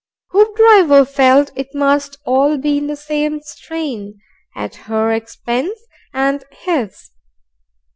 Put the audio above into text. Hoopdriver felt it must all be in the same strain, at her expense and his.